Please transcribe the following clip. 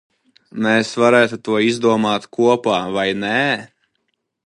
Mēs varētu to izdomāt kopā, vai ne?